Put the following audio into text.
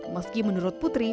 meski menurut putri